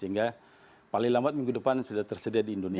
sehingga paling lambat minggu depan sudah tersedia di indonesia